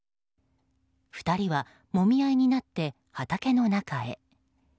２人は、もみ合いになって畑の中へ。